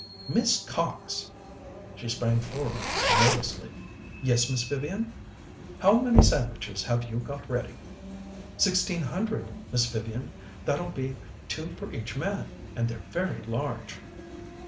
"Miss Cox!" She sprang forward nervously. "Yes, Miss Vivian?" "How many sandwiches have you got ready?" "Sixteen hundred, Miss Vivian. That'll be two for each man, and they're very large."